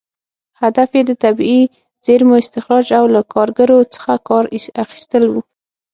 هدف یې د طبیعي زېرمو استخراج او له کارګرو څخه کار اخیستل و.